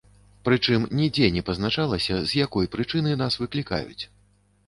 Прычым, нідзе не пазначалася з якой прычыны нас выклікаюць.